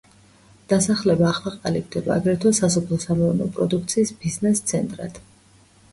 დასახლება ახლა ყალიბდება, აგრეთვე, სასოფლო–სამეურნეო პროდუქციის ბიზნეს–ცენტრად.